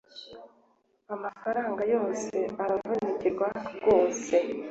Amafaranga yose aravunikirwa rwose